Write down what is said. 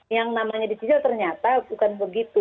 yang namanya dicicil ternyata bukan begitu